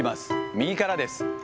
右からです。